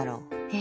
え？